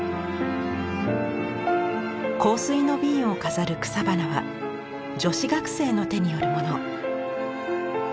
香水の瓶を飾る草花は女子学生の手によるもの。